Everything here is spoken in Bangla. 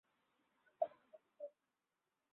কিন্তু সেখানে সুড়ঙ্গ ছাড়া আর কিছুই নেই।